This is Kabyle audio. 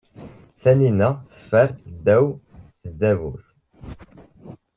Tanina teffer ddaw tdabut.